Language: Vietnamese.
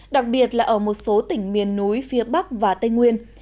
đặc biệt là ở một số tỉnh miền núi phía bắc và tây nguyên